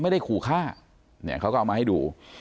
ไม่ได้ขู่ฆ่าเนี่ยเขาก็เอามาให้ดู